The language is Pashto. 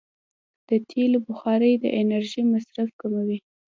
د تېلو بخاري د انرژۍ مصرف کموي.